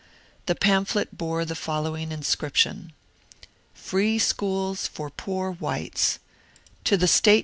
The pamphlet bore the following inscription :— FREE SCHOOLS FOE POOR WHITES 86 To THE State C!